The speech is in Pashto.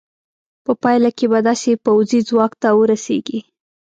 په پایله کې به داسې پوځي ځواک ته ورسېږې.